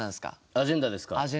アジェンダですか？